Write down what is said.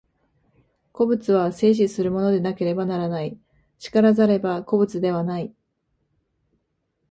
個物は生死するものでなければならない、然らざれば個物ではない。